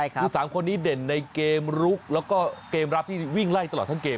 คือ๓คนนี้เด่นในเกมลุกแล้วก็เกมรับที่วิ่งไล่ตลอดทั้งเกม